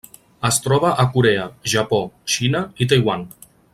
Es troba a Corea, Japó, Xina i Taiwan.